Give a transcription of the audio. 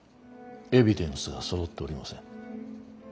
エビデンスがそろっておりません。